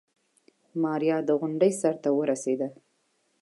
ماريا د غونډۍ سر ته ورسېده.